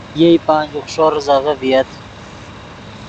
یئے پانچ، اوخݰو زیزغے ڤییت